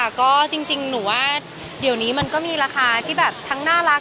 ก็จริงหนูว่าเดี๋ยวนี้มันก็มีราคาที่แบบทั้งน่ารัก